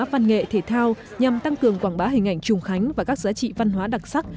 văn nghệ thể thao nhằm tăng cường quảng bá hình ảnh trùng khánh và các giá trị văn hóa đặc sắc